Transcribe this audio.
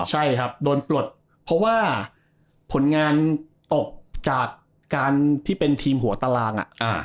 ใช่ครับโดนปลดเพราะว่าผลงานตกจากการที่เป็นทีมหัวตาราง